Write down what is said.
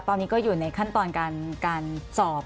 ตอนนี้ก็อยู่ในขั้นตอนการสอบ